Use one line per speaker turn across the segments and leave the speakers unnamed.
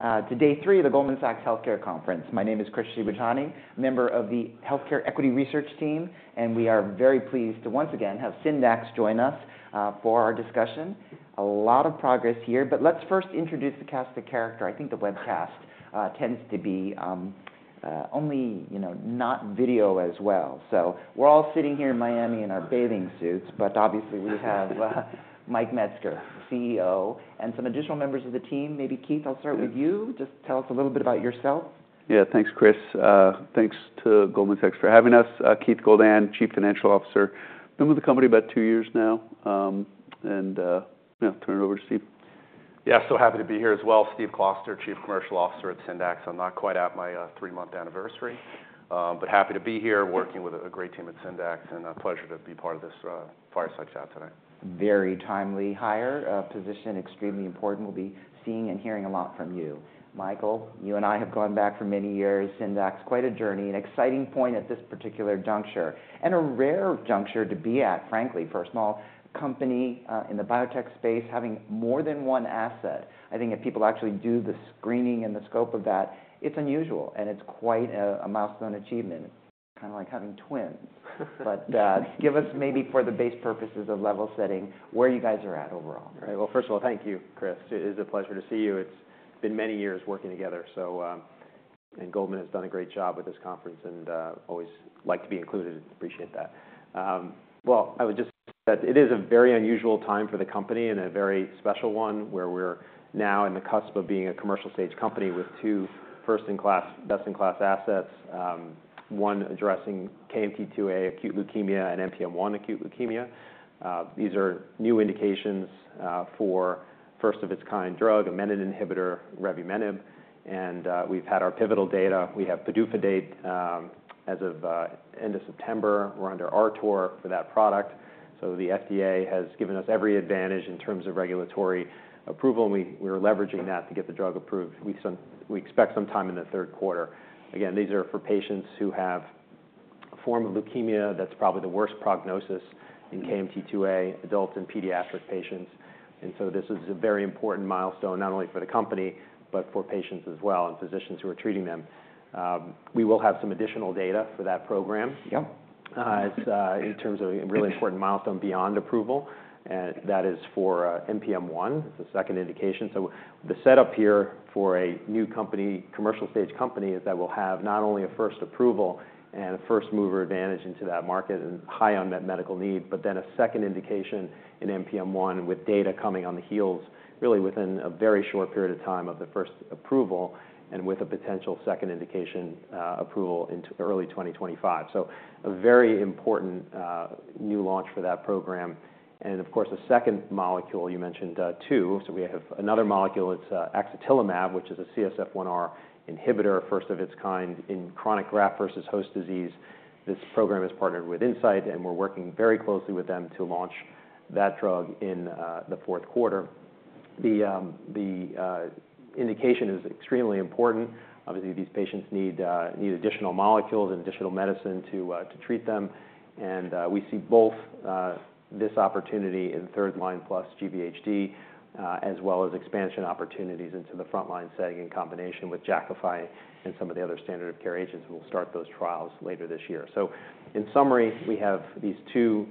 Welcome to day three of the Goldman Sachs Healthcare Conference. My name is Chris Shibutani, member of the Healthcare Equity Research Team, and we are very pleased to once again have Syndax join us for our discussion. A lot of progress here, but let's first introduce the cast of characters. I think the webcast tends to be only, you know, not video as well. So we're all sitting here in Miami in our bathing suits, but obviously we have Mike Metzger, the CEO, and some additional members of the team. Maybe Keith, I'll start with you. Just tell us a little bit about yourself.
Yeah, thanks, Chris. Thanks to Goldman Sachs for having us. Keith Goldan, Chief Financial Officer. Been with the company about two years now, and, yeah, turn it over to Steve.
Yeah, so happy to be here as well. Steve Kloster, Chief Commercial Officer at Syndax. I'm not quite at my three-month anniversary, but happy to be here working with a great team at Syndax, and a pleasure to be part of this fireside chat today.
Very timely hire, position, extremely important. We'll be seeing and hearing a lot from you. Michael, you and I have gone back for many years. Syndax, quite a journey, an exciting point at this particular juncture, and a rare juncture to be at, frankly, for a small company, in the biotech space, having more than one asset. I think if people actually do the screening and the scope of that, it's unusual, and it's quite a milestone achievement. It's kind of like having twins. But, give us maybe for the base purposes of level setting, where you guys are at overall.
Right. Well, first of all, thank you, Chris. It is a pleasure to see you. It's been many years working together, so, And Goldman has done a great job with this conference and, always like to be included, appreciate that. Well, I would just say that it is a very unusual time for the company and a very special one, where we're now in the cusp of being a commercial stage company with two first-in-class, best-in-class assets, one addressing KMT2A acute leukemia and NPM1 acute leukemia. These are new indications for first of its kind drug, a menin inhibitor, revumenib, and, we've had our pivotal data. We have PDUFA date as of end of September. We're under RTOR for that product, so the FDA has given us every advantage in terms of regulatory approval, and we're leveraging that to get the drug approved. We expect sometime in the third quarter. Again, these are for patients who have a form of leukemia that's probably the worst prognosis in KMT2A, adults and pediatric patients. And so this is a very important milestone, not only for the company, but for patients as well, and physicians who are treating them. We will have some additional data for that program-
Yep.
in terms of a really important milestone beyond approval, and that is for NPM1. It's a second indication. So the setup here for a new company, commercial stage company, is that we'll have not only a first approval and a first mover advantage into that market and high unmet medical need, but then a second indication in NPM1, with data coming on the heels, really within a very short period of time of the first approval, and with a potential second indication approval in early 2025. So a very important new launch for that program. And of course, the second molecule, you mentioned two, so we have another molecule. It's axetilimab, which is a CSF1R inhibitor, first of its kind in chronic graft-versus-host disease. This program is partnered with Incyte, and we're working very closely with them to launch that drug in the fourth quarter. The indication is extremely important. Obviously, these patients need additional molecules and additional medicine to treat them. And we see both this opportunity in third line plus GVHD as well as expansion opportunities into the frontline setting in combination with Jakafi and some of the other standard of care agents, and we'll start those trials later this year. So in summary, we have these two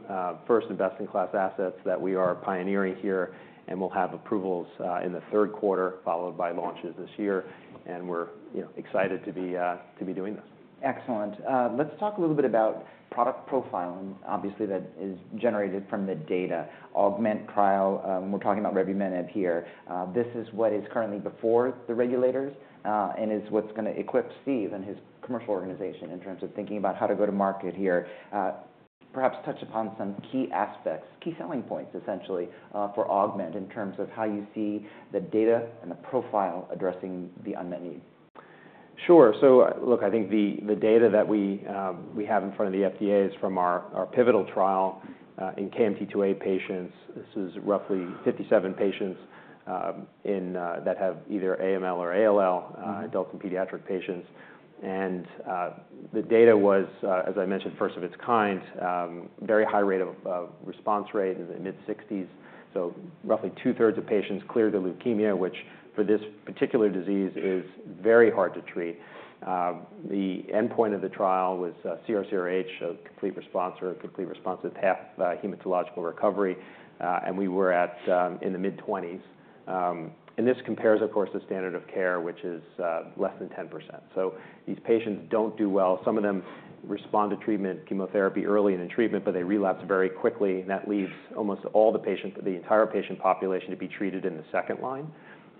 first and best-in-class assets that we are pioneering here, and we'll have approvals in the third quarter, followed by launches this year. And we're, you know, excited to be doing this.
Excellent. Let's talk a little bit about product profile, and obviously, that is generated from the data. AUGMENT trial, when we're talking about revumenib here, this is what is currently before the regulators, and is what's gonna equip Steve and his commercial organization in terms of thinking about how to go to market here. Perhaps touch upon some key aspects, key selling points, essentially, for AUGMENT in terms of how you see the data and the profile addressing the unmet need.
Sure. So look, I think the data that we have in front of the FDA is from our pivotal trial in KMT2A patients. This is roughly 57 patients that have either AML or ALL, adult and pediatric patients. The data was, as I mentioned, first of its kind, very high rate of response rate in the mid-60s%. So roughly two-thirds of patients cleared the leukemia, which for this particular disease is very hard to treat. The endpoint of the trial was CR/CRh, a complete response or a complete response with partial hematological recovery, and we were at in the mid-20s%. And this compares, of course, the standard of care, which is less than 10%. So these patients don't do well. Some of them respond to treatment, chemotherapy early in the treatment, but they relapse very quickly, and that leaves almost all the entire patient population to be treated in the second line.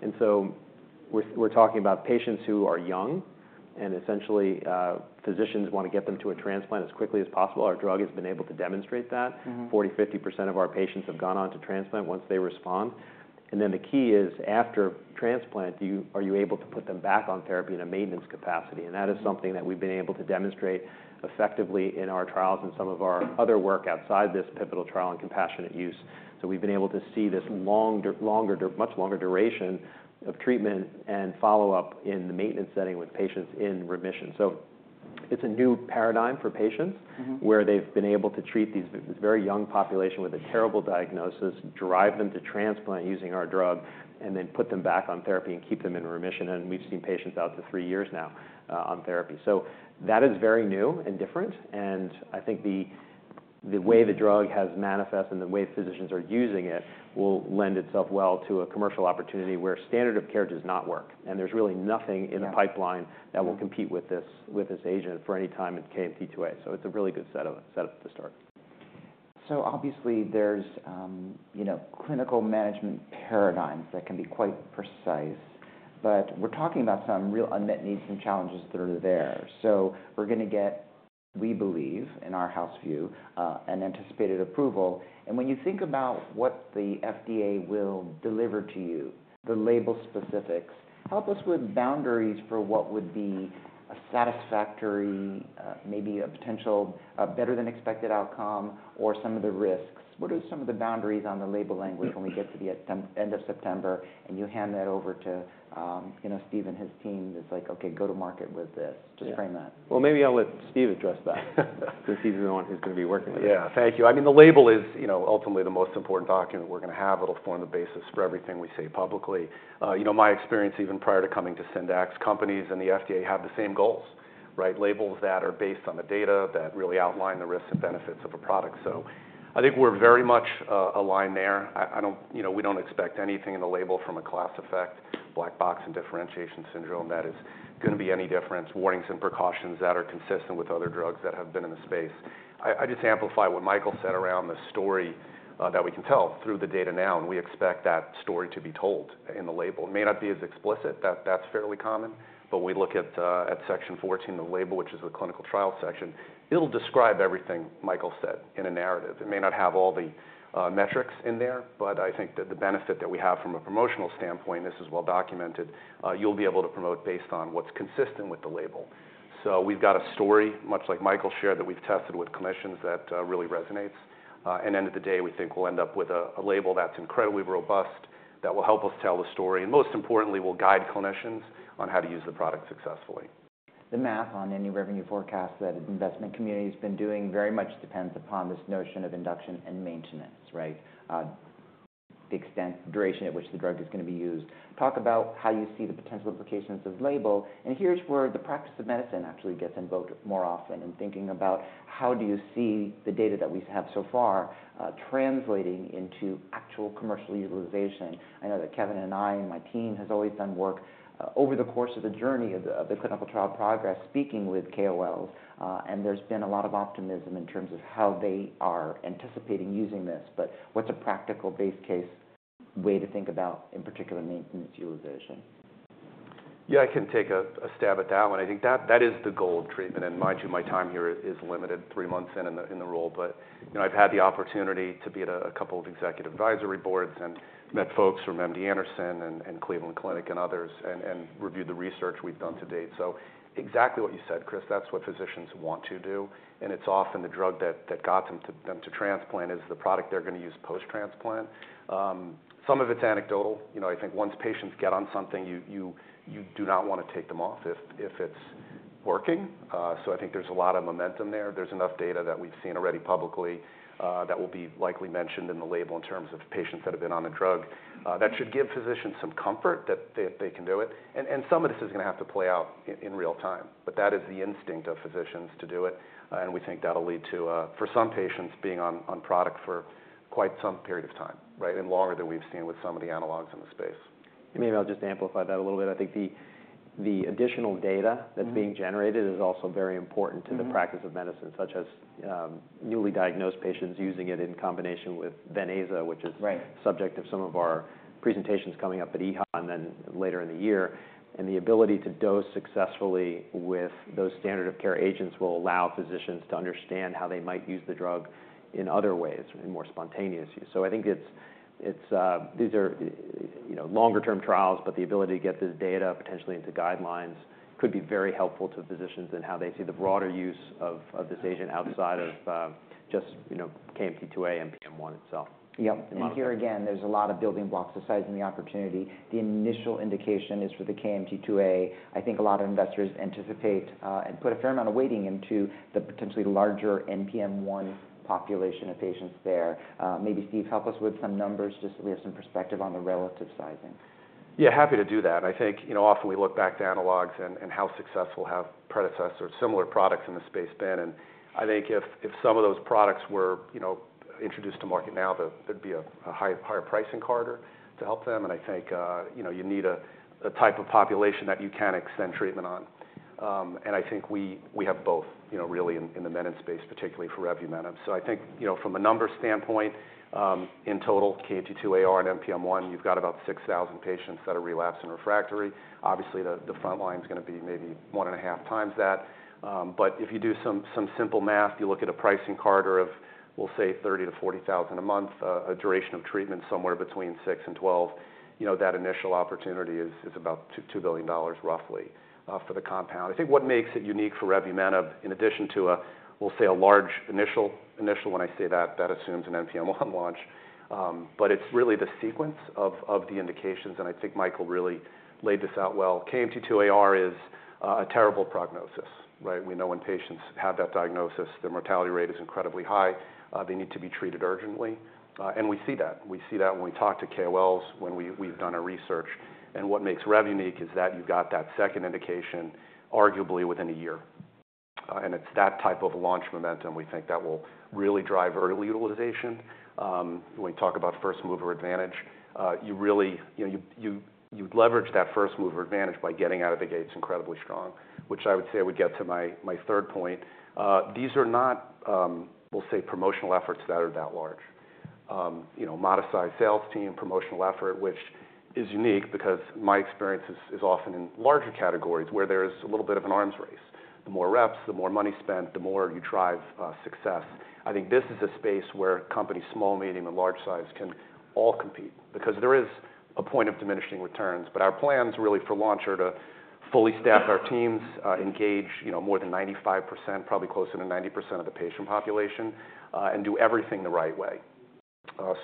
And so we're talking about patients who are young and essentially, physicians want to get them to a transplant as quickly as possible. Our drug has been able to demonstrate that.
Mm-hmm.
40%-50% of our patients have gone on to transplant once they respond. And then the key is, after transplant, are you able to put them back on therapy in a maintenance capacity? And that is something that we've been able to demonstrate effectively in our trials and some of our other work outside this pivotal trial and compassionate use. So we've been able to see this much longer duration of treatment and follow-up in the maintenance setting with patients in remission. It's a new paradigm for patients, where they've been able to treat these, this very young population with a terrible diagnosis, drive them to transplant using our drug, and then put them back on therapy and keep them in remission. And we've seen patients out to three years now on therapy. So that is very new and different, and I think the way the drug has manifested, and the way physicians are using it, will lend itself well to a commercial opportunity where standard of care does not work, and there's really nothing in the pipeline-
Yeah.
That will compete with this, with this agent for any time in KMT2A. So it's a really good set up to start.
So obviously there's, you know, clinical management paradigms that can be quite precise, but we're talking about some real unmet needs and challenges that are there. So we're gonna get, we believe, in our house view, an anticipated approval. And when you think about what the FDA will deliver to you, the label specifics, help us with boundaries for what would be a satisfactory, maybe a potential, a better than expected outcome or some of the risks. What are some of the boundaries on the label language when we get to the end of September, and you hand that over to, you know, Steve and his team, it's like, "Okay, go to market with this." Just frame that.
Well, maybe I'll let Steve address that, because he's the one who's gonna be working with it.
Yeah. Thank you. I mean, the label is, you know, ultimately the most important document we're gonna have. It'll form the basis for everything we say publicly. You know, my experience, even prior to coming to Syndax, companies and the FDA have the same goals, right? Labels that are based on the data, that really outline the risks and benefits of a product. So I think we're very much aligned there. I don't... You know, we don't expect anything in the label from a class effect, black box and differentiation syndrome, that is gonna be any different. Warnings and precautions that are consistent with other drugs that have been in the space. I just amplify what Michael said around the story, that we can tell through the data now, and we expect that story to be told in the label. It may not be as explicit, that's fairly common, but we look at Section 14 of the label, which is the clinical trial section. It'll describe everything Michael said in a narrative. It may not have all the metrics in there, but I think that the benefit that we have from a promotional standpoint, this is well documented, you'll be able to promote based on what's consistent with the label. So we've got a story, much like Michael shared, that we've tested with clinicians, that really resonates. And end of the day, we think we'll end up with a label that's incredibly robust, that will help us tell the story, and most importantly, will guide clinicians on how to use the product successfully.
The math on any revenue forecast that investment community's been doing very much depends upon this notion of induction and maintenance, right? The extent, duration at which the drug is gonna be used. Talk about how you see the potential implications of label, and here's where the practice of medicine actually gets invoked more often, in thinking about how do you see the data that we have so far, translating into actual commercial utilization? I know that Kevin and I, and my team, has always done work, over the course of the journey of the, of the clinical trial progress, speaking with KOLs, and there's been a lot of optimism in terms of how they are anticipating using this. But what's a practical base case way to think about, in particular, maintenance utilization?
Yeah, I can take a stab at that one. I think that is the goal of treatment, and mind you, my time here is limited, three months in the role. But, you know, I've had the opportunity to be at a couple of executive advisory boards and met folks from MD Anderson and Cleveland Clinic and others, and reviewed the research we've done to date. So exactly what you said, Chris, that's what physicians want to do, and it's often the drug that got them to transplant is the product they're gonna use post-transplant. Some of it's anecdotal. You know, I think once patients get on something, you do not want to take them off if it's working. So I think there's a lot of momentum there. There's enough data that we've seen already publicly that will be likely mentioned in the label in terms of patients that have been on the drug. That should give physicians some comfort that they can do it, and some of this is gonna have to play out in real time, but that is the instinct of physicians to do it, and we think that'll lead to for some patients being on product for quite some period of time, right? And longer than we've seen with some of the analogs in the space.
Maybe I'll just amplify that a little bit. I think the additional data that's being generated is also very important to the practice of medicine, such as, newly diagnosed patients using it in combination with venetoclax, which is-
Right...
subject of some of our presentations coming up at EHA and then later in the year. And the ability to dose successfully with those standard of care agents will allow physicians to understand how they might use the drug in other ways, in more spontaneous ways. So I think it's. These are, you know, longer term trials, but the ability to get this data potentially into guidelines could be very helpful to physicians in how they see the broader use of this agent outside of just, you know, KMT2A and NPM1 itself.
Yep.
And modify-
Here again, there's a lot of building blocks, the size and the opportunity. The initial indication is for the KMT2A. I think a lot of investors anticipate and put a fair amount of weighting into the potentially larger NPM1 population of patients there. Maybe Steve, help us with some numbers, just so we have some perspective on the relative sizing.
Yeah, happy to do that. I think, you know, often we look back to analogs and how successful have predecessors or similar products in the space been, and I think if some of those products were, you know, introduced to market now, there'd be a higher pricing power to help them, and I think, you know, you need a type of population that you can extend treatment on. And I think we have both, you know, really in the menin space, particularly for revumenib. So I think, you know, from a numbers standpoint, in total, KMT2AR and NPM1, you've got about 6,000 patients that are relapsing and refractory. Obviously, the frontline is gonna be maybe 1.5 times that. But if you do some simple math, you look at a pricing card of, we'll say, $30,000-$40,000 a month, a duration of treatment somewhere between 6 and 12, you know, that initial opportunity is about $2 billion, roughly, for the compound. I think what makes it unique for revumenib, in addition to a, we'll say, a large initial, when I say that, that assumes an NPM1 launch. But it's really the sequence of the indications, and I think Michael really laid this out well. KMT2AR is a terrible prognosis, right? We know when patients have that diagnosis, their mortality rate is incredibly high, they need to be treated urgently, and we see that. We see that when we talk to KOLs, we've done our research, and what makes Rev unique is that you've got that second indication, arguably within a year. And it's that type of launch momentum we think that will really drive early utilization. When we talk about first mover advantage, you really, you know, you leverage that first mover advantage by getting out of the gates incredibly strong, which I would say would get to my third point. These are not, we'll say, promotional efforts that are that large. You know, modest size sales team, promotional effort, which is unique because my experience is often in larger categories where there's a little bit of an arms race. The more reps, the more money spent, the more you drive success. I think this is a space where companies, small, medium, and large size, can all compete because there is a point of diminishing returns. But our plans, really for launch, are to fully staff our teams, engage, you know, more than 95%, probably closer to 90% of the patient population, and do everything the right way.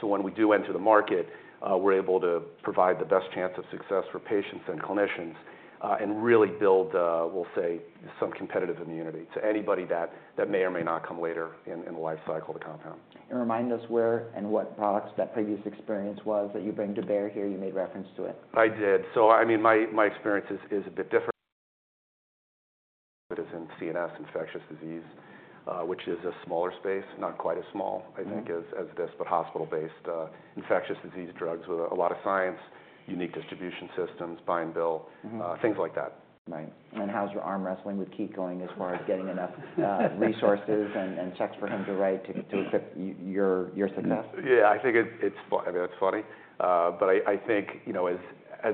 So when we do enter the market, we're able to provide the best chance of success for patients and clinicians, and really build, we'll say, some competitive immunity to anybody that that may or may not come later in, in the life cycle of the compound.
Remind us where and what products that previous experience was that you bring to bear here. You made reference to it.
I did. So, I mean, my experience is a bit different... But it's in CNS infectious disease, which is a smaller space, not quite as small, I think-
Mm-hmm...
as, as this, but hospital-based, infectious disease, drugs with a lot of science, unique distribution systems, buy and bill-
Mm-hmm
things like that.
Right. And how's your arm wrestling with Keith going as far as getting enough resources and, and checks for him to write to, to equip your success?
Yeah, I think, I mean, that's funny. But I think, you know, as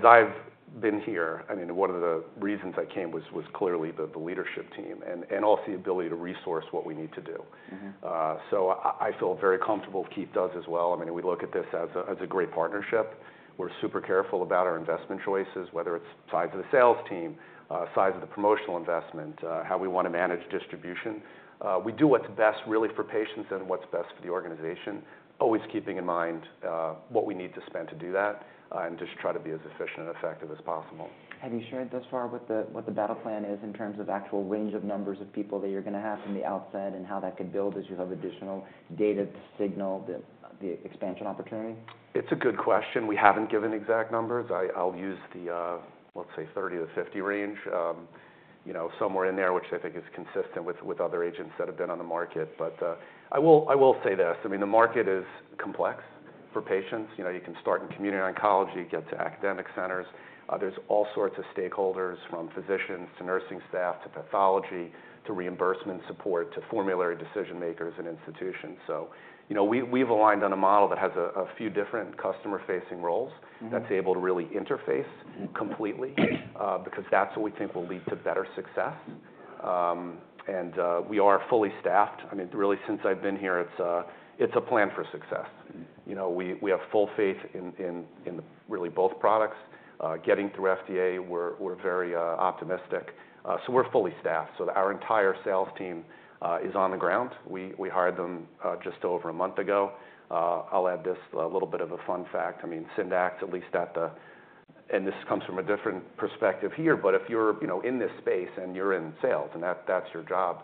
I've been here, I mean, one of the reasons I came was clearly the leadership team and also the ability to resource what we need to do.
Mm-hmm.
So I feel very comfortable, Keith does as well. I mean, we look at this as a great partnership. We're super careful about our investment choices, whether it's size of the sales team, size of the promotional investment, how we wanna manage distribution. We do what's best really for patients and what's best for the organization, always keeping in mind, what we need to spend to do that, and just try to be as efficient and effective as possible.
Have you shared thus far what the battle plan is in terms of actual range of numbers of people that you're gonna have from the outset, and how that could build as you have additional data to signal the expansion opportunity?
It's a good question. We haven't given exact numbers. I'll use the, let's say, 30-50 range. You know, somewhere in there, which I think is consistent with other agents that have been on the market. But, I will, I will say this: I mean, the market is complex for patients. You know, you can start in community oncology, get to academic centers. There's all sorts of stakeholders, from physicians to nursing staff, to pathology, to reimbursement support, to formulary decision makers and institutions. So you know, we've, we've aligned on a model that has a, a few different customer-facing roles-
Mm-hmm...
that's able to really interface-
Mm-hmm...
completely, because that's what we think will lead to better success. We are fully staffed. I mean, really, since I've been here, it's a, it's a plan for success. You know, we, we have full faith in, in, in really both products. Getting through FDA, we're, we're very, optimistic. So we're fully staffed, so our entire sales team, is on the ground. We, we hired them, just over a month ago. I'll add this, a little bit of a fun fact. I mean, Syndax, at least at the... And this comes from a different perspective here, but if you're, you know, in this space and you're in sales and that- that's your job,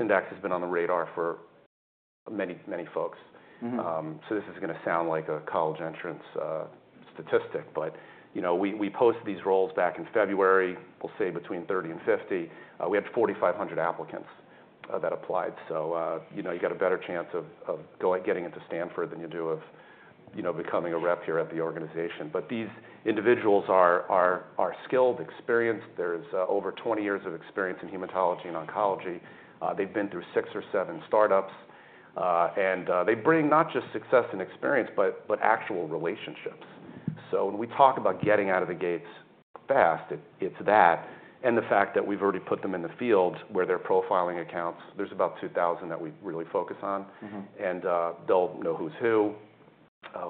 Syndax has been on the radar for many, many folks.
Mm-hmm.
So this is gonna sound like a college entrance statistic, but, you know, we posted these roles back in February, we'll say between 30 and 50, we had 4,500 applicants that applied. So, you know, you got a better chance of getting into Stanford than you do of becoming a rep here at the organization. But these individuals are skilled, experienced. There's over 20 years of experience in hematology and oncology. They've been through six or seven startups, and they bring not just success and experience, but actual relationships. So when we talk about getting out of the gates fast, it's that, and the fact that we've already put them in the field where they're profiling accounts, there's about 2,000 that we really focus on.
Mm-hmm.
And they'll know who's who,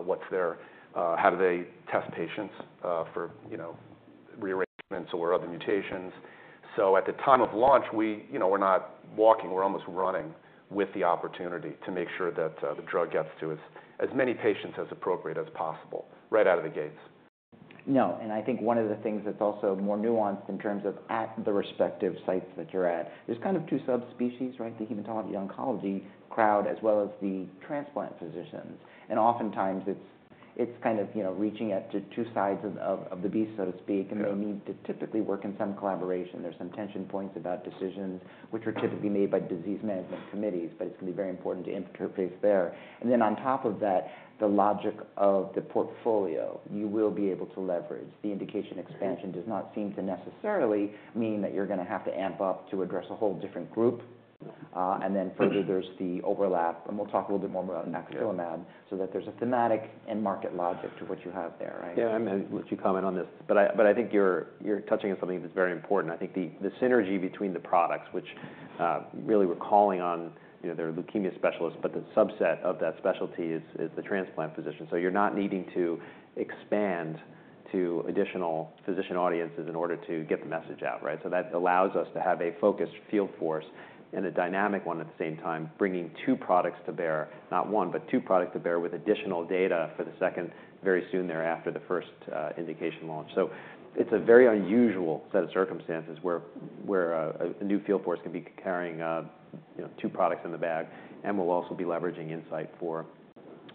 what's their... How do they test patients for, you know, rearrangements or other mutations? So at the time of launch, we, you know, we're not walking, we're almost running with the opportunity to make sure that the drug gets to as, as many patients as appropriate as possible, right out of the gates.
No, and I think one of the things that's also more nuanced in terms of at the respective sites that you're at, there's kind of two subspecies, right? The hematology oncology crowd, as well as the transplant physicians. And oftentimes, it's kind of, you know, reaching out to two sides of the beast, so to speak.
Sure.
They need to typically work in some collaboration. There's some tension points about decisions, which are typically made by disease management committees, but it's gonna be very important to interface there. And then on top of that, the logic of the portfolio, you will be able to leverage. The indication expansion does not seem to necessarily mean that you're gonna have to amp up to address a whole different group. And then further, there's the overlap, and we'll talk a little bit more about axetilimab, so that there's a thematic and market logic to what you have there, right?
Yeah, I'm gonna let you comment on this, but I think you're touching on something that's very important. I think the synergy between the products, which really we're calling on, you know, they're leukemia specialists, but the subset of that specialty is the transplant physician. So you're not needing to expand-... to additional physician audiences in order to get the message out, right? So that allows us to have a focused field force and a dynamic one at the same time, bringing two products to bear, not one, but two products to bear, with additional data for the second, very soon thereafter, the first indication launch. So it's a very unusual set of circumstances where a new field force can be carrying, you know, two products in the bag, and we'll also be leveraging Incyte for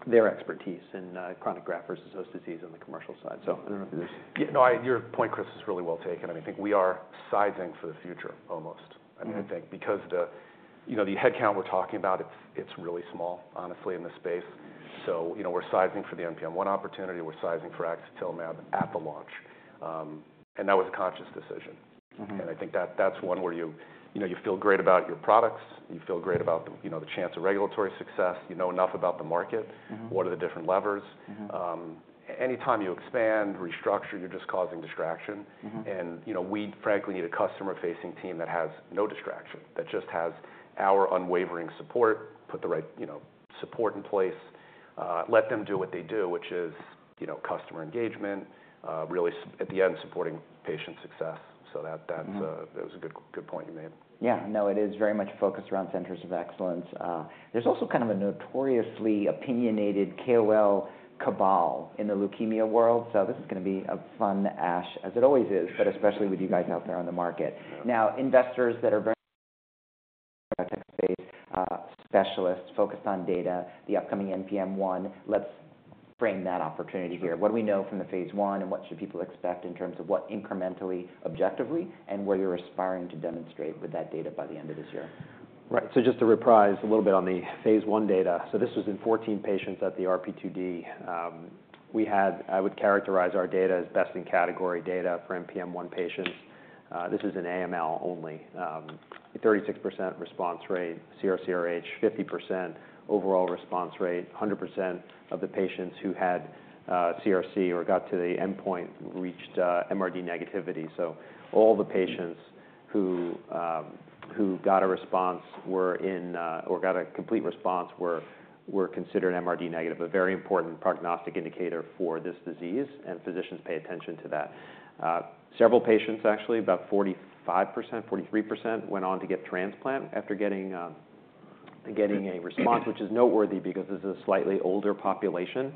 their expertise in chronic graft-versus-host disease on the commercial side. So I don't know if you-
No, your point, Chris, is really well taken, and I think we are sizing for the future, almost.
Mm-hmm.
I mean, I think because the you know the headcount we're talking about, it's really small, honestly, in this space. So, you know, we're sizing for the NPM1 opportunity, we're sizing for axetilimab at the launch. And that was a conscious decision. Mm-hmm. I think that's one where you, you know, you feel great about your products, you feel great about the, you know, the chance of regulatory success. You know enough about the market- Mm-hmm.
What are the different levers?
Mm-hmm.
Anytime you expand, restructure, you're just causing distraction.
Mm-hmm.
You know, we frankly need a customer-facing team that has no distraction, that just has our unwavering support, put the right, you know, support in place, let them do what they do, which is, you know, customer engagement, really at the end, supporting patient success. So that's...
Mm-hmm.
That was a good, good point you made.
Yeah. No, it is very much focused around centers of excellence. There's also kind of a notoriously opinionated KOL cabal in the leukemia world, so this is gonna be a fun ASH, as it always is, but especially with you guys out there on the market.
Yeah.
Now, investors that are very specialists, focused on data, the upcoming NPM1. Let's frame that opportunity here.
Sure.
What do we know from the phase I, and what should people expect in terms of what incrementally, objectively, and where you're aspiring to demonstrate with that data by the end of this year?
Right. So just to reprise a little bit on the phase I data. So this was in 14 patients at the RP2D. We had... I would characterize our data as best-in-category data for NPM1 patients. This is in AML only. A 36% response rate, CR/CRh, 50% overall response rate, 100% of the patients who had CR or got to the endpoint reached MRD negativity. So all the patients who got a response were in or got a complete response were considered MRD negative, a very important prognostic indicator for this disease, and physicians pay attention to that. Several patients, actually, about 45%, 43%, went on to get transplant after getting a response, which is noteworthy because this is a slightly older population.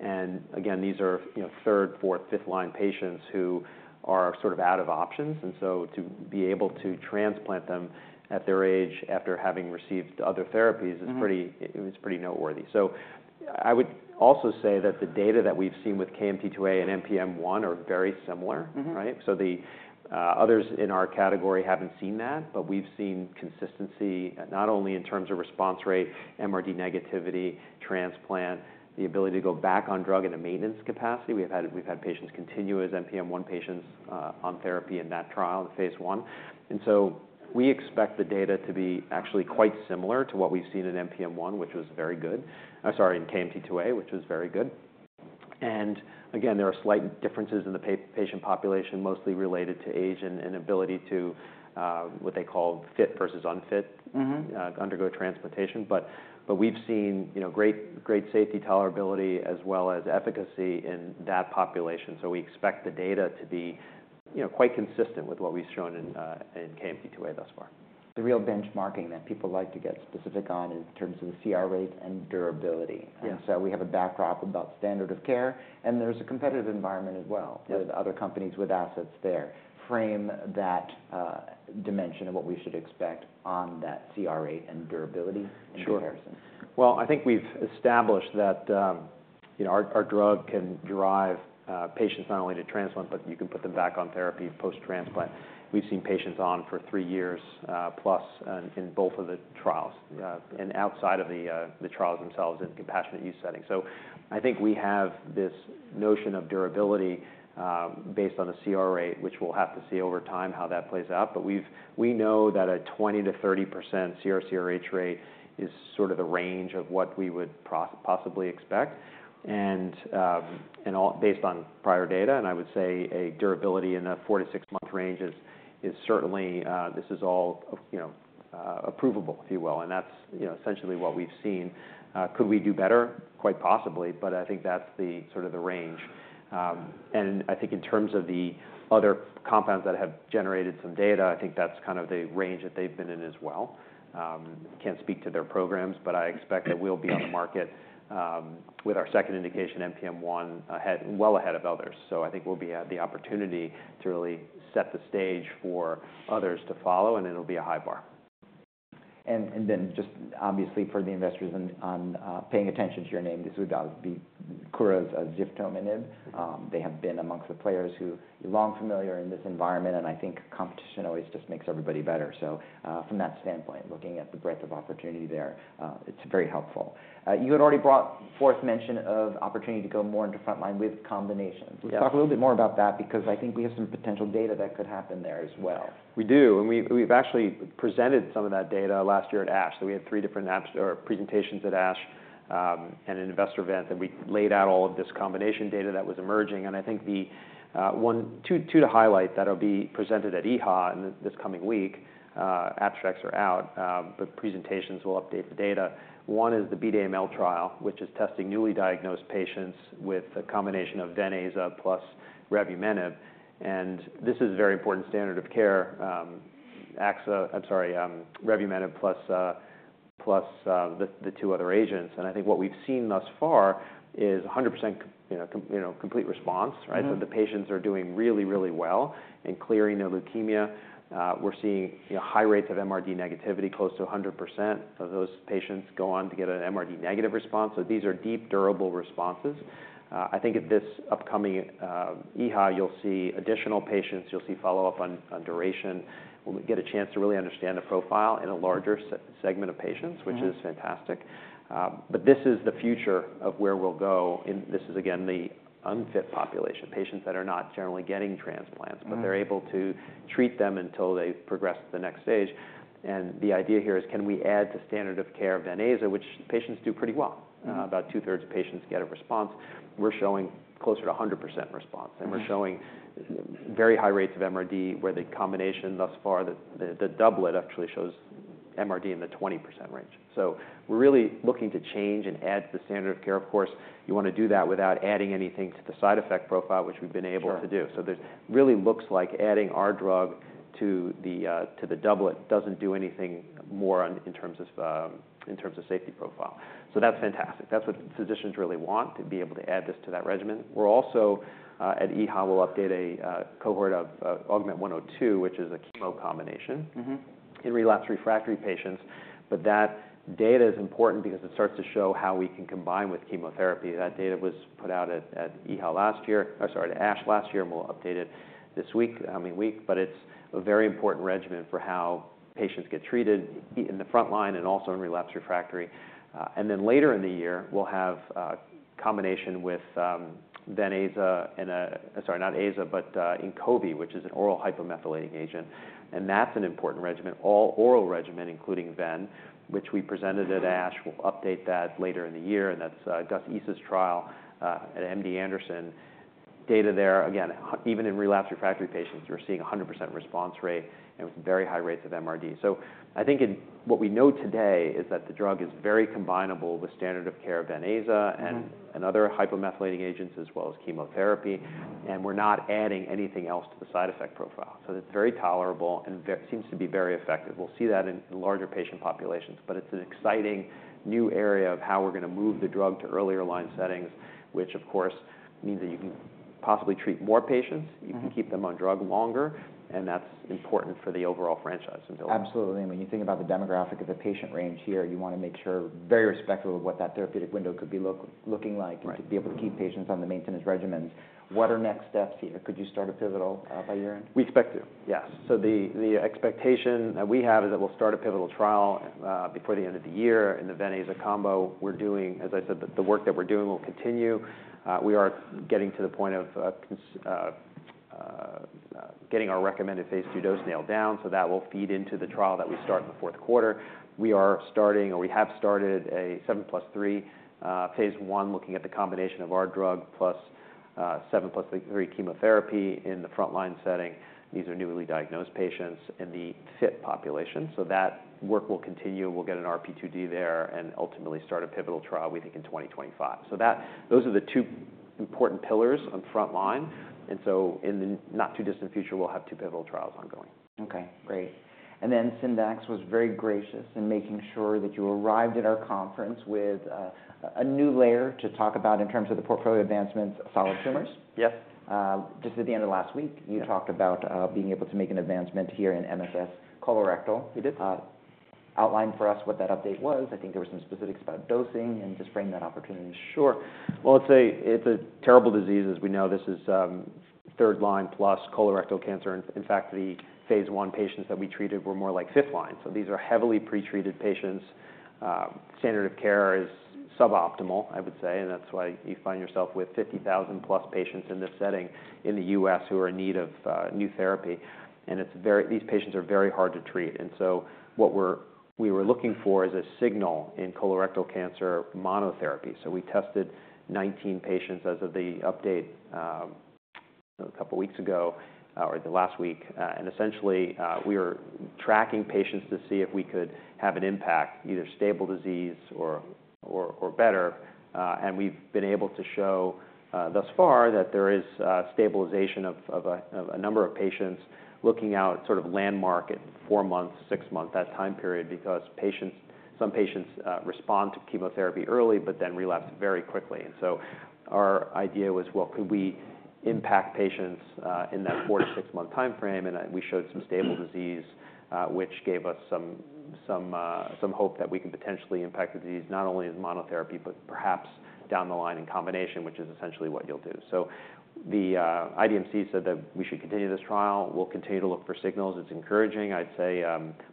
And again, these are, you know, third, fourth, fifth line patients who are sort of out of options, and so to be able to transplant them at their age after having received other therapies-
Mm-hmm.
is pretty, it's pretty noteworthy. So I would also say that the data that we've seen with KMT2A and NPM1 are very similar, right?
Mm-hmm.
So the others in our category haven't seen that, but we've seen consistency, not only in terms of response rate, MRD negativity, transplant, the ability to go back on drug in a maintenance capacity. We've had patients continue as NPM1 patients on therapy in that trial, the phase I. And so we expect the data to be actually quite similar to what we've seen in NPM1, which was very good. Sorry, in KMT2A, which was very good. And again, there are slight differences in the patient population, mostly related to age and ability to what they call fit versus unfit-
Mm-hmm...
to undergo transplantation. But, we've seen, you know, great, great safety tolerability as well as efficacy in that population, so we expect the data to be, you know, quite consistent with what we've shown in KMT2A thus far.
The real benchmarking that people like to get specific on in terms of the CR rate and durability.
Yeah.
We have a backdrop about standard of care, and there's a competitive environment as well.
Yeah
-with other companies with assets there. Frame that dimension and what we should expect on that CR rate and durability in comparison.
Sure. Well, I think we've established that, you know, our drug can drive patients not only to transplant, but you can put them back on therapy post-transplant. We've seen patients on for three years plus in both of the trials and outside of the trials themselves in compassionate use settings. So I think we have this notion of durability based on the CR rate, which we'll have to see over time how that plays out. But we know that a 20%-30% CR/CRh rate is sort of the range of what we would possibly expect, and, and all... Based on prior data, and I would say a durability in a four- to six-month range is certainly this is all, you know, approvable, if you will. And that's, you know, essentially what we've seen. Could we do better? Quite possibly, but I think that's the sort of the range. And I think in terms of the other compounds that have generated some data, I think that's kind of the range that they've been in as well. Can't speak to their programs, but I expect that we'll be on the market, with our second indication, NPM1, ahead, well ahead of others. So I think we'll be at the opportunity to really set the stage for others to follow, and it'll be a high bar.
And then just obviously for the investors paying attention to your name, this would be Kura's ziftomenib. They have been amongst the players who are long familiar in this environment, and I think competition always just makes everybody better. So, from that standpoint, looking at the breadth of opportunity there, it's very helpful. You had already brought forth mention of opportunity to go more into frontline with combinations.
Yeah.
Let's talk a little bit more about that, because I think we have some potential data that could happen there as well.
We do, and we've actually presented some of that data last year at ASH. So we had three different abstracts or presentations at ASH, and an investor event, and we laid out all of this combination data that was emerging. And I think the one, two to highlight that'll be presented at EHA in this coming week, abstracts are out, but presentations will update the data. One is the Beat AML trial, which is testing newly diagnosed patients with a combination of venetoclax plus revumenib, and this is a very important standard of care, aza, I'm sorry, revumenib plus the two other agents. And I think what we've seen thus far is 100%, you know, complete response, right?
Mm-hmm.
So the patients are doing really, really well in clearing their leukemia. We're seeing, you know, high rates of MRD negativity, close to 100%. So those patients go on to get an MRD negative response. So these are deep, durable responses. I think at this upcoming EHA, you'll see additional patients, you'll see follow-up on duration, when we get a chance to really understand the profile in a larger segment of patients-
Mm-hmm...
which is fantastic. But this is the future of where we'll go, and this is, again, the unfit population, patients that are not generally getting transplants.
Mmh.
They're able to treat them until they progress to the next stage. The idea here is, can we add to standard of care venetoclax, which patients do pretty well?
Mm.
About two-thirds of patients get a response. We're showing closer to a 100% response.
Mm-hmm.
We're showing very high rates of MRD, where the combination thus far, the doublet actually shows MRD in the 20% range. So we're really looking to change and add to the standard of care. Of course, you want to do that without adding anything to the side effect profile, which we've been able to do.
Sure.
So this really looks like adding our drug to the to the doublet, doesn't do anything more on, in terms of, in terms of safety profile. So that's fantastic. That's what physicians really want, to be able to add this to that regimen. We're also at EHA, we'll update a cohort of AUGMENT-102, which is a chemo combination-
Mm-hmm ...
in relapse refractory patients. But that data is important because it starts to show how we can combine with chemotherapy. That data was put out at ASH last year, and we'll update it this week. I mean, but it's a very important regimen for how patients get treated in the front line and also in relapse refractory. And then later in the year, we'll have a combination with venetoclax and Inqovi, which is an oral hypomethylating agent, and that's an important regimen, all oral regimen, including Ven, which we presented at ASH. We'll update that later in the year, and that's Ghayas Issa's trial at MD Anderson. Data there, again, even in relapsed refractory patients, we're seeing 100% response rate and with very high rates of MRD. So I think... what we know today is that the drug is very combinable with standard of care venetoclax-
Mm-hmm...
and other hypomethylating agents, as well as chemotherapy, and we're not adding anything else to the side effect profile. So it's very tolerable and seems to be very effective. We'll see that in larger patient populations, but it's an exciting new area of how we're gonna move the drug to earlier line settings, which, of course, means that you can possibly treat more patients.
Mm-hmm.
You can keep them on drug longer, and that's important for the overall franchise ability.
Absolutely. I mean, you think about the demographic of the patient range here, you wanna make sure very respectful of what that therapeutic window could be looking like-
Right...
to be able to keep patients on the maintenance regimens. What are next steps here? Could you start a pivotal by year-end?
We expect to. Yes. So the expectation that we have is that we'll start a pivotal trial before the end of the year in the venetoclax combo. We're doing... As I said, the work that we're doing will continue. We are getting to the point of getting our recommended phase II dose nailed down, so that will feed into the trial that we start in the fourth quarter. We are starting, or we have started, a 7+3 phase I, looking at the combination of our drug plus 7+3 chemotherapy in the front line setting. These are newly diagnosed patients in the FIT population, so that work will continue. We'll get an RP2D there and ultimately start a pivotal trial, we think, in 2025. So those are the two important pillars on the front line, and so in the not too distant future, we'll have two pivotal trials ongoing.
Okay, great. And then Syndax was very gracious in making sure that you arrived at our conference with a new layer to talk about in terms of the portfolio advancements of solid tumors.
Yes.
Just at the end of last week.
Yeah...
you talked about, being able to make an advancement here in MSS colorectal.
We did.
Outline for us what that update was. I think there were some specifics about dosing and just frame that opportunity.
Sure. Well, it's a terrible disease, as we know. This is third line, plus colorectal cancer, and in fact, the phase I patients that we treated were more like fifth line. So these are heavily pretreated patients. Standard of care is suboptimal, I would say, and that's why you find yourself with 50,000+ patients in this setting in the U.S. who are in need of new therapy. And it's very-- these patients are very hard to treat. And so what we're-- we were looking for is a signal in colorectal cancer monotherapy. So we tested 19 patients as of the update a couple weeks ago or the last week. And essentially, we were tracking patients to see if we could have an impact, either stable disease or better. We've been able to show thus far that there is stabilization of a number of patients looking, sort of, landmark at 4 months, 6 months, that time period, because some patients respond to chemotherapy early, but then relapse very quickly. So our idea was, well, could we impact patients in that 4-6month timeframe? And we showed some stable disease, which gave us some hope that we can potentially impact the disease, not only as monotherapy, but perhaps down the line in combination, which is essentially what you'll do. So the IDMC said that we should continue this trial. We'll continue to look for signals. It's encouraging, I'd say,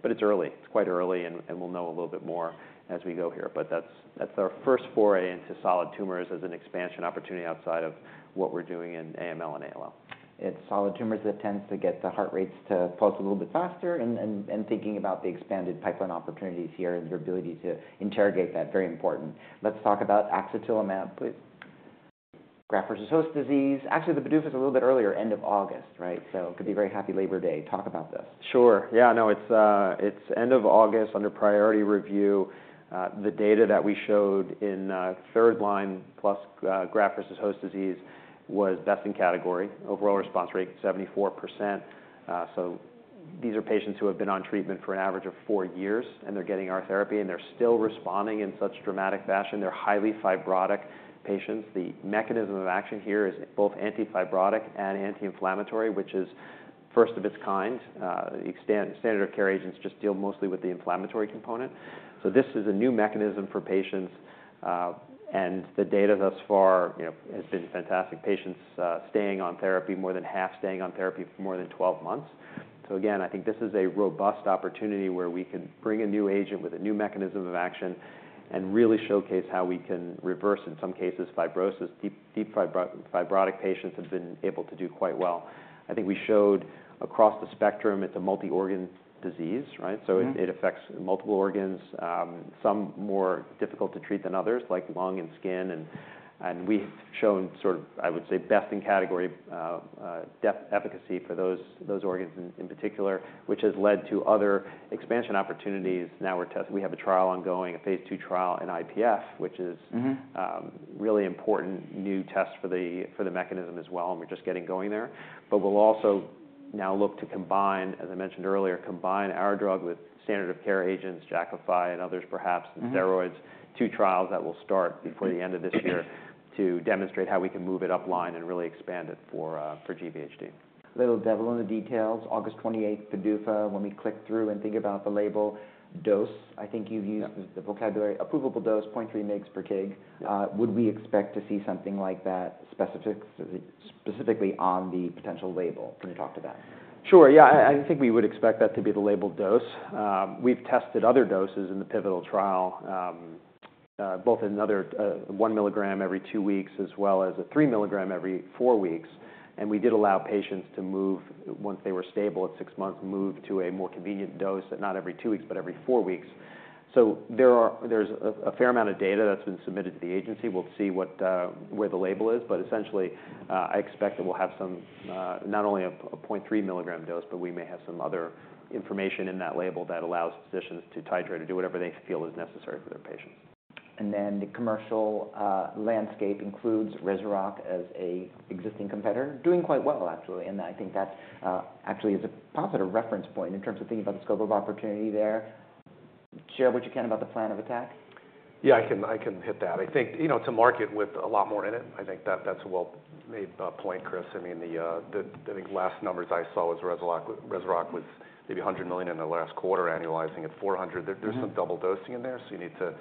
but it's early. It's quite early, and we'll know a little bit more as we go here. But that's our first foray into solid tumors as an expansion opportunity outside of what we're doing in AML and ALL.
It's solid tumors that tends to get the heart rates to pulse a little bit faster and thinking about the expanded pipeline opportunities here and your ability to interrogate that, very important. Let's talk about axetilimab, please. Graft-versus-host disease. Actually, the PDUFA is a little bit earlier, end of August, right? So could be a very happy Labor Day. Talk about this.
Sure. Yeah, no, it's end of August, under priority review. The data that we showed in third line, plus, graft-versus-host disease was best in category. Overall response rate, 74%. So these are patients who have been on treatment for an average of 4 years, and they're getting our therapy, and they're still responding in such dramatic fashion. They're highly fibrotic patients. The mechanism of action here is both anti-fibrotic and anti-inflammatory, which is first of its kind. Standard of care agents just deal mostly with the inflammatory component. So this is a new mechanism for patients, and the data thus far, you know, has been fantastic. Patients staying on therapy, more than half staying on therapy for more than 12 months. So again, I think this is a robust opportunity where we can bring a new agent with a new mechanism of action and really showcase how we can reverse, in some cases, fibrosis. Deep, deep fibrotic patients have been able to do quite well. I think we showed across the spectrum; it's a multi-organ disease, right?
Mm-hmm.
So it affects multiple organs, some more difficult to treat than others, like lung and skin. And we've shown sort of, I would say, best-in-category depth efficacy for those organs in particular, which has led to other expansion opportunities. Now we have a trial ongoing, a phase 2 trial in IPF, which is-
Mm-hmm...
really important new test for the mechanism as well, and we're just getting going there. But we'll also now look to combine, as I mentioned earlier, combine our drug with standard of care agents, Jakafi and others, perhaps-
Mm-hmm...
and steroids. Two trials that will start before the end of this year to demonstrate how we can move it upline and really expand it for, for GVHD.
A little devil in the details. August twenty-eighth, PDUFA, when we click through and think about the label dose, I think you've used-
Yeah...
the vocabulary. Approvable dose, 0.3 mgs per kg.
Yeah.
Would we expect to see something like that specifically on the potential label? Can you talk to that?
Sure, yeah. I think we would expect that to be the label dose. We've tested other doses in the pivotal trial, both another 1 milligram every 2 weeks, as well as a 3 milligram every 4 weeks. And we did allow patients to move, once they were stable at 6 months, move to a more convenient dose, but not every 2 weeks, but every 4 weeks. So there is a fair amount of data that's been submitted to the agency. We'll see what, where the label is. But essentially, I expect that we'll have some, not only a 0.3 milligram dose, but we may have some other information in that label that allows physicians to titrate or do whatever they feel is necessary for their patients.
Then the commercial landscape includes Rezurock as an existing competitor, doing quite well, actually. And I think that actually is a positive reference point in terms of thinking about the scope of opportunity there. Share what you can about the plan of attack.
Yeah, I can hit that. I think, you know, to market with a lot more in it, I think that's a well-made point, Chris. I mean, the, I think last numbers I saw was Rezurock was maybe $100 million in the last quarter, annualizing at $400 million.
Mm-hmm.
There, there's some double dosing in there, so you need to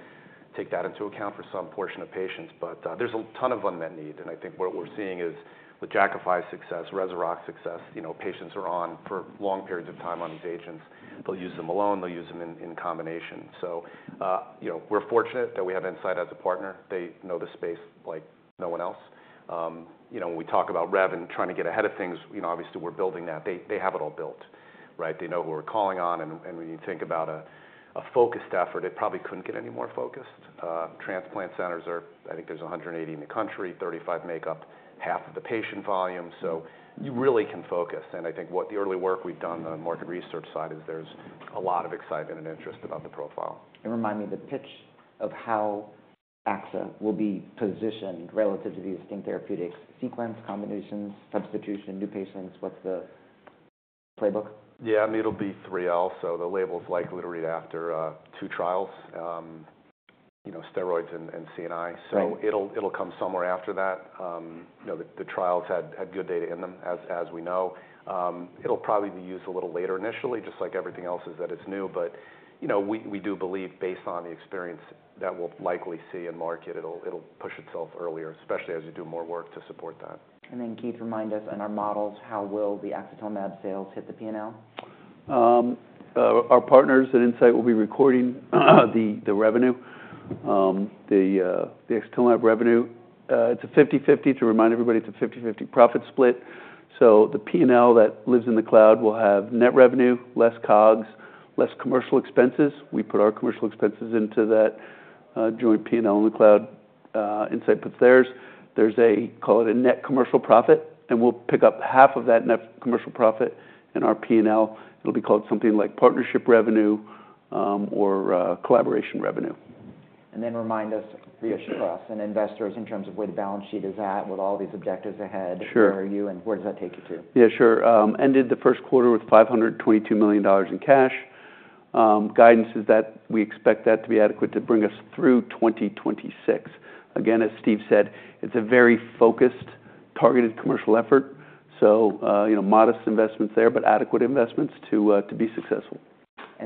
take that into account for some portion of patients. But, there's a ton of unmet need, and I think what we're seeing is, with Jakafi's success, Rezurock's success, you know, patients are on for long periods of time on these agents. They'll use them alone, they'll use them in, in combination. So, you know, we're fortunate that we have Incyte as a partner. They know the space like no one else. You know, when we talk about rev and trying to get ahead of things, you know, obviously, we're building that. They, they have it all built, right? They know who we're calling on, and, and when you think about a, a focused effort, it probably couldn't get any more focused. Transplant centers are... I think there's 180 in the country, 35 make up half of the patient volume, so you really can focus. I think what the early work we've done on the market research side is there's a lot of excitement and interest about the profile.
Remind me, the pitch of how axetilimab will be positioned relative to the existing therapeutics. Sequence, combinations, substitution, new patients, what's the playbook?
Yeah, I mean, it'll be 3L, so the label's likely to read after 2 trials, you know, steroids and, and CNI.
Right.
So it'll come somewhere after that. You know, the trials had good data in them, as we know. It'll probably be used a little later initially, just like everything else that is new. But, you know, we do believe, based on the experience, that we'll likely see in market it'll push itself earlier, especially as you do more work to support that.
And then, Keith, remind us, in our models, how will the axetilimab sales hit the P&L?
Our partners at Incyte will be recording the revenue. The axetilimab revenue, it's a 50/50. To remind everybody, it's a 50/50 profit split. So the P&L that lives in the cloud will have net revenue, less COGS, less commercial expenses. We put our commercial expenses into that joint P&L in the cloud. Incyte puts theirs. There's, call it, a net commercial profit, and we'll pick up half of that net commercial profit in our P&L. It'll be called something like partnership revenue or collaboration revenue.
Then remind us, the issue for us and investors, in terms of where the balance sheet is at with all these objectives ahead-
Sure.
Where are you, and where does that take you to?
Yeah, sure. Ended the first quarter with $522 million in cash. Guidance is that we expect that to be adequate to bring us through 2026. Again, as Steve said, it's a very focused, targeted commercial effort, so, you know, modest investments there, but adequate investments to be successful.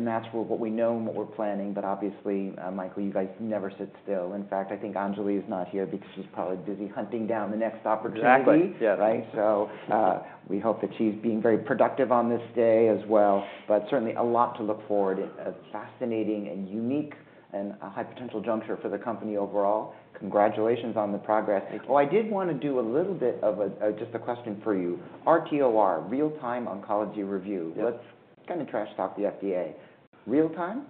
That's what we know and what we're planning. But obviously, Michael, you guys never sit still. In fact, I think Anjali is not here because she's probably busy hunting down the next opportunity.
Exactly.
Yeah, right.
Mm-hmm.
So, we hope that she's being very productive on this day as well, but certainly a lot to look forward. A fascinating and unique and a high potential juncture for the company overall. Congratulations on the progress.
Thank you.
Oh, I did wanna do a little bit of a, just a question for you. RTOR, Real-Time Oncology Review.
Yeah.
Let's kind of trash talk the FDA. Real time?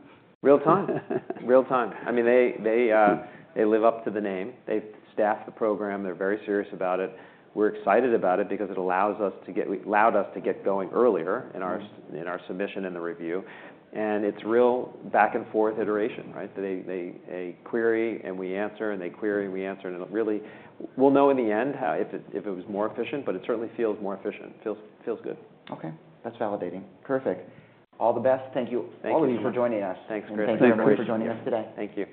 Real time. Real time. I mean, they, they, they live up to the name. They've staffed the program. They're very serious about it. We're excited about it because it allowed us to get going earlier-
Mmh...
in our submission in the review, and it's real back-and-forth iteration, right? So they query, and we answer, and they query, and we answer, and it really... We'll know in the end, if it was more efficient, but it certainly feels more efficient. Feels good.
Okay, that's validating. Perfect. All the best. Thank you-
Thank you
Thankyou... all of you for joining us.
Thanks, Chris.
Thank you, everybody, for joining us today.
Thank you.